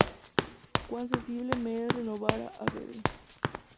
Cuan sensible me es renovar a Vd.